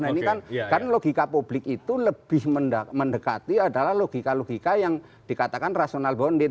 nah ini kan logika publik itu lebih mendekati adalah logika logika yang dikatakan rasional bondir